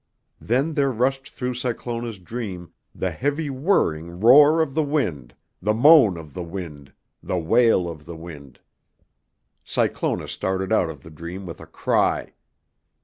Then there rushed through Cyclona's dream the heavy whirring roar of the wind, the moan of the wind, the wail of the wind. Cyclona started out of the dream with a cry.